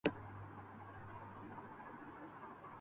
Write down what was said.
margarine صحت کے لئے اچھا نہیں ہے